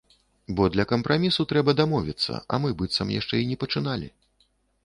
Бо для кампрамісу трэба дамовіцца, а мы быццам яшчэ і не пачыналі.